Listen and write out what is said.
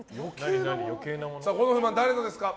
この不満、誰のですか？